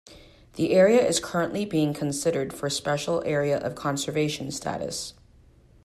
The area is currently being considered for Special Area of Conservation status.